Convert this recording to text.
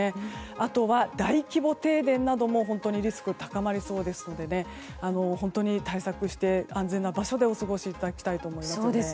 あとは大規模停電なども本当にリスク高まりそうですので対策して、安全な場所でお過ごしいただきたいと思います。